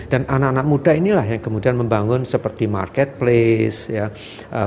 dan anak anak muda inilah yang kemudian membangun seperti marketplace